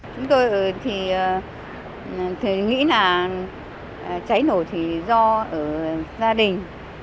chúng tôi thì nghĩ là cháy nổ thì do ở gia đình